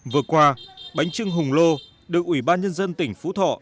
vừa qua bánh trưng hùng lô được ủy ban nhân dân tỉnh phú thọ